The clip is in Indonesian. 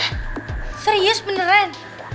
hah serius beneran